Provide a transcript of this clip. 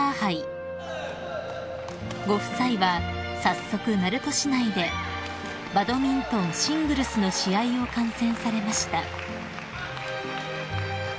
［ご夫妻は早速鳴門市内でバドミントンシングルスの試合を観戦されました］